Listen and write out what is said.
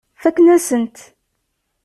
Fakken-asen-t.